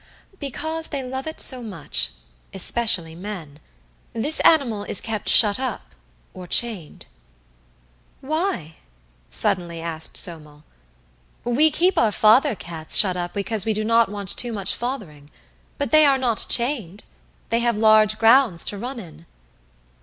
"Because they love it so much especially men. This animal is kept shut up, or chained." "Why?" suddenly asked Somel. "We keep our father cats shut up because we do not want too much fathering; but they are not chained they have large grounds to run in."